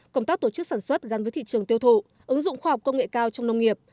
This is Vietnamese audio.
công tác tổ chức sản xuất gắn với thị trường tiêu thụ ứng dụng khoa học công nghệ cao trong nông nghiệp